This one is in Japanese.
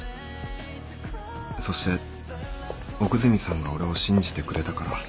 そして奥泉さんが俺を信じてくれたから。